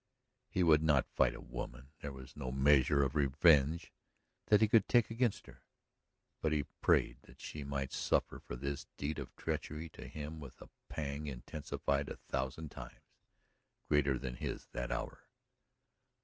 He could not fight a woman; there was no measure of revenge that he could take against her, but he prayed that she might suffer for this deed of treachery to him with a pang intensified a thousand times greater than his that hour.